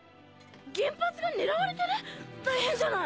原発が狙われてる⁉大変じゃない！